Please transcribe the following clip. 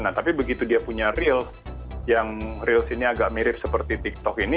nah tapi begitu dia punya reels yang reels ini agak mirip seperti tiktok ini